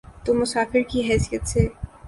تو مسافر کی حیثیت سے۔